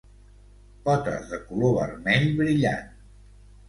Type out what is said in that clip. Potes de color vermell brillant.